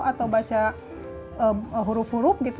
atau baca huruf huruf gitu